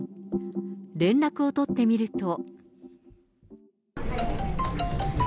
連絡を取ってみると。